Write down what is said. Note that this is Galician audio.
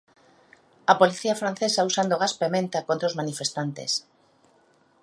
A policía francesa usando gas pementa contra os manifestantes.